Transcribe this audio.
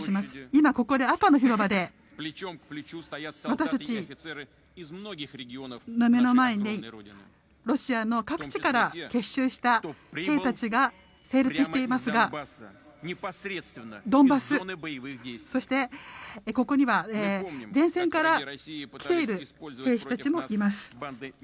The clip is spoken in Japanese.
今ここで赤の広場で私たちの目の前にロシアの各地から結集した兵たちが整列していますがドンバス、そしてここには前線から来ている兵士たちもいます。